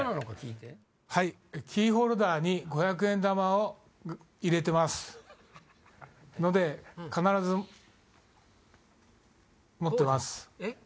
キーホルダーに５００円玉を入れてますので必ず持ってます。